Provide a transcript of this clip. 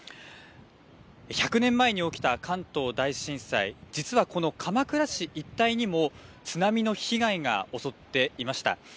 １００年前に起きた関東大震災、実はこの鎌倉市一帯にも津波の被害が襲っていました。